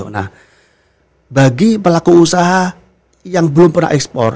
nah bagi pelaku usaha yang belum pernah ekspor